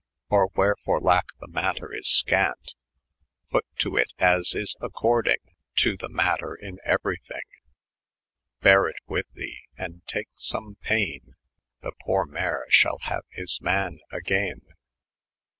Or where for lack the mater is scant, Pat to it as is accordyng To the mater in eaery thyng; 64> Bere^ it with the, and take snme payne. The poore mare shall haoe his man agayn'."